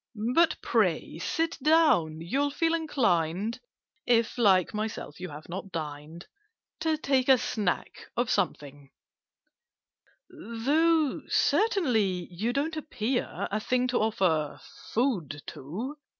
But pray sit down: you'll feel inclined (If, like myself, you have not dined) To take a snack of something: "Though, certainly, you don't appear A thing to offer food to!